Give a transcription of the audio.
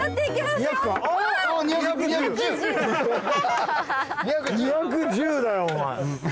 ２１０だよお前。